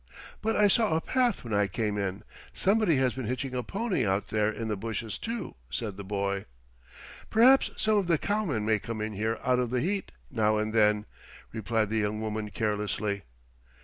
"But I saw a path when I came in. Somebody has been hitching a pony out there in the bushes, too," said the boy. "Perhaps some of the cowmen may come in here out of the heat, now and then," replied the young woman carelessly.